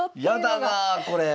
やだなこれ。